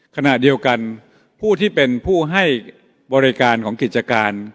ขณะเดียวกันผู้ที่เป็นผู้ให้บริการของกิจการ